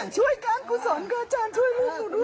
ช่วยกังกุศรก็อาจารย์ช่วยลูกหนูด้วย